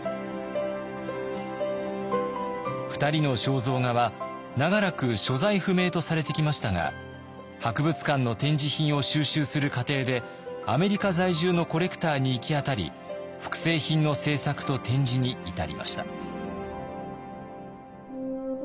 ２人の肖像画は長らく所在不明とされてきましたが博物館の展示品を収集する過程でアメリカ在住のコレクターに行き当たり複製品の制作と展示に至りました。